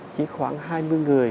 chỉ khoảng hai mươi năm